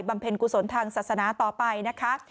เพ็ญกุศลทางศาสนาต่อไปนะคะ